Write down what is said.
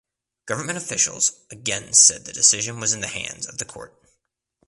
Government officials again said the decision was in the hands of the court.